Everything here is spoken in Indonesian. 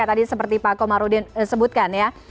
tadi seperti pak komarudin sebutkan ya